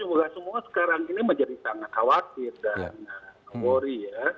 kita semua sekarang ini menjadi sangat khawatir dan worry ya